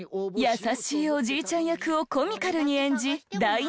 優しいおじいちゃん役をコミカルに演じ大人気に。